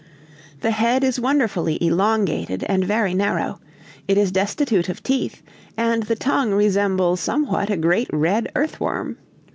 The head is wonderfully elongated and very narrow; it is destitute of teeth, and the tongue resembles somewhat a great red earth worm.